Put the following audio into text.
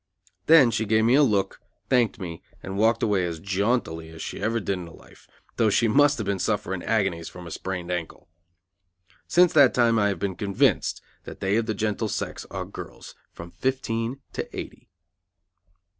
Then she gave me a look, thanked me, and walked away as jauntily as she ever did in her life, though she must have been suffering agonies from her sprained ankle. Since that time I have been convinced that they of the gentle sex are girls from fifteen to eighty.